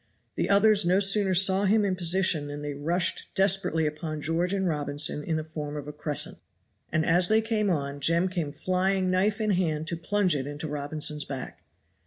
The others no sooner saw him in position than they rushed desperately upon George and Robinson in the form of a crescent, and as they came on Jem came flying knife in hand to plunge it into Robinson's back.